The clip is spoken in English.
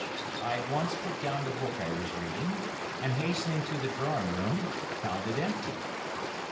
I at once put down the book I was reading, and, hastening to the drawing room, found it empty.